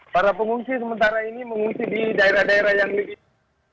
para pengungsi sementara ini mengungsi di daerah daerah yang lebih